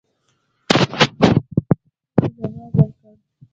ښځې ځواب ورکړ.